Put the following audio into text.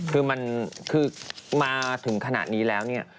คือมาถึงขณะนี้แล้ว